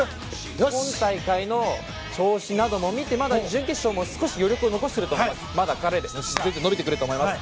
今大会の調子なども見てまだ準決勝も少し余力を残していると思うのでまだ伸びてくると思います。